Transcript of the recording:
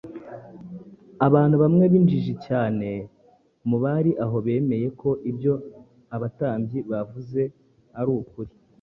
Abantu bamwe b’injiji cyane mu bari aho bemeye ko ibyo abatambyi bavuze ari ukuri,